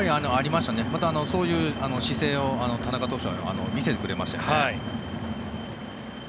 また、そういう姿勢を田中投手は見せてくれましたね。